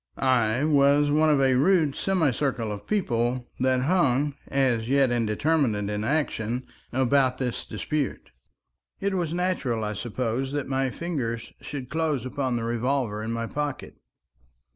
I was one of a rude semicircle of people that hung as yet indeterminate in action about this dispute. It was natural, I suppose, that my fingers should close upon the revolver in my pocket.